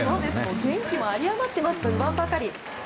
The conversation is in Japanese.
元気も有り余っていますと言わんばかり。